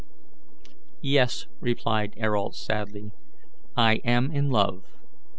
"Yes," replied Ayrault, sadly, "I am in love.